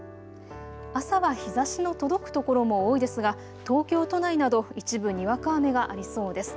朝は日ざしの届く所も多いですが東京都内など一部にわか雨がありそうです。